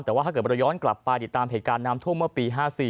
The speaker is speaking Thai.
แต่ว่าถ้าเกิดเราย้อนกลับไปติดตามเหตุการณ์น้ำท่วมเมื่อปี๕๔